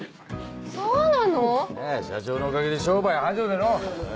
そうなの？社長のおかげで商売繁盛でのう！